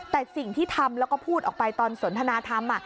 แต่สิ่งที่ทำแล้วก็พูดออกไปตอนสนทนาธรรม